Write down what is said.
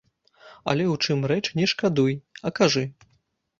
Але ў чым рэч, не шкадуй, а кажы.